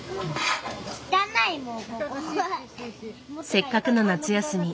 せっかくの夏休み。